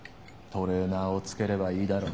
トレーナーをつければいいだろ。